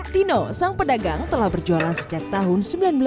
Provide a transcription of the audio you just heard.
tino sang pedagang telah berjualan sejak tahun seribu sembilan ratus sembilan puluh